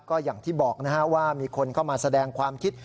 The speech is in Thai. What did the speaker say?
ก็อย่างที่บอกนะฮะว่ามีคนเข้ามาแสดงความคิด